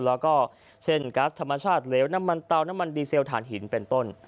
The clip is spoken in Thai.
แล้วก็เช่นกัสธรรมชาติเหลวน้ำมันเตาน้ำมันดีเซลฐานหินเป็นต้น